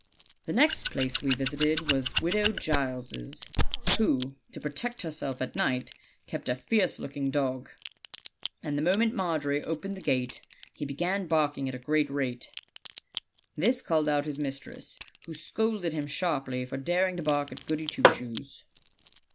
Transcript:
"The next place we visited was Widow Giles', who, to protect herself at night, kept a fierce looking dog, and the moment Margery opened the gate he began barking at a great rate. This called out his mistress, who scolded him sharply for daring to bark at Goody Two Shoes.